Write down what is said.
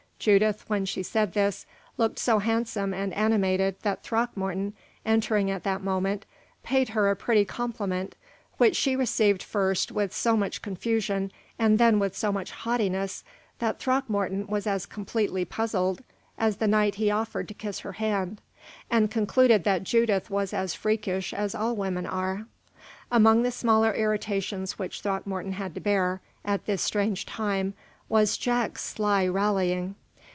Judith, when she said this, looked so handsome and animated that Throckmorton, entering at that moment, paid her a pretty compliment, which she received first with so much confusion and then with so much haughtiness that Throckmorton was as completely puzzled as the night he offered to kiss her hand, and concluded that Judith was as freakish as all women are. Among the smaller irritations which Throckmorton had to bear, at this strange time, was Jack's sly rallying.